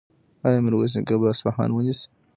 ایا میرویس نیکه به اصفهان ونیسي؟